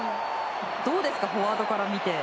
どうですかフォワードから見て。